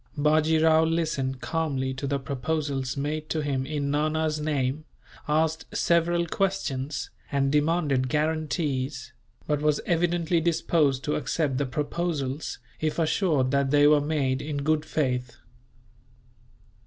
Bajee Rao listened calmly to the proposals made to him in Nana's name, asked several questions, and demanded guarantees; but was evidently disposed to accept the proposals, if assured that they were made in good faith.